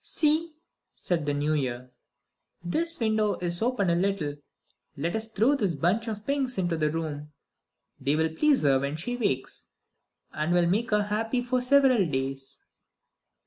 "See," said the New Year, "this window is open a little; let us throw this bunch of pinks into the room. They will please her when she wakes, and will make her happy for several days."